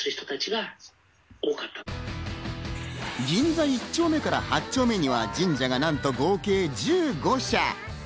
銀座１丁目から８丁目には神社がなんと、合計１５社。